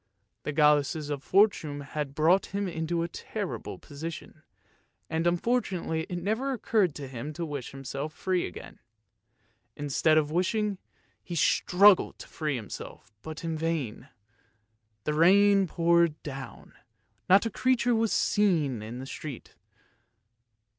The goloshes of Fortune had brought him into a terrible position, and unfortunately it never occurred to him to wish himself free again. Instead of wishing, he struggled to free himself, but in vain. The rain poured down, not a creature was to be seen in the street.